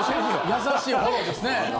優しいフォローですね。